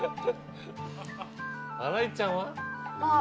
新井ちゃんは？あっ。